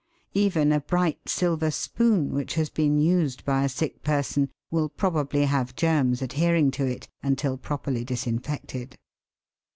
Even a bright silver spoon which has been used by a sick person will probably have germs adhering to it until properly disinfected.